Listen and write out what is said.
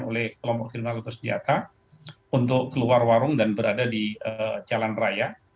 oleh kelompok kiriman lampu senjata untuk keluar warung dan berada di jalan raya